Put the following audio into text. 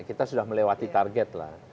kita sudah melewati target lah